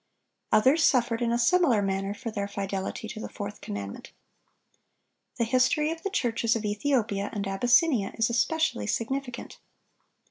Others suffered in a similar manner for their fidelity to the fourth commandment. The history of the churches of Ethiopia and Abyssinia is especially significant.